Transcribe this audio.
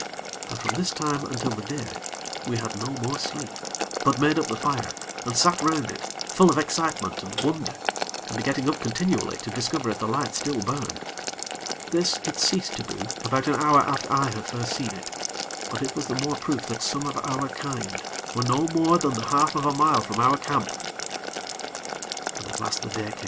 And from this time, until the day, we had no more sleep; but made up the fire, and sat round it, full of excitement and wonder, and getting up continually to discover if the light still burned. This it ceased to do about an hour after I had first seen it; but it was the more proof that some of our kind were no more than the half of a mile from our camp. And at last the day came.